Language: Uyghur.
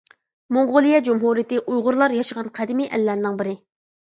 موڭغۇلىيە جۇمھۇرىيىتى ئۇيغۇرلار ياشىغان قەدىمىي ئەللەرنىڭ بىرى.